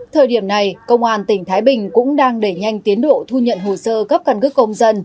thời điểm này công an tỉnh thái bình cũng đang đẩy nhanh tiến độ thu nhận hồ sơ cấp căn cứ công dân